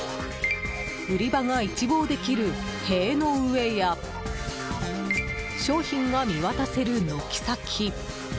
売り場が一望できる塀の上や商品が見渡せる軒先。